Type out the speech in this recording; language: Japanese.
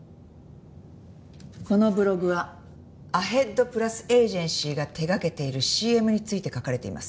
このブログはアヘッドプラスエージェンシーが手がけているＣＭについて書かれています。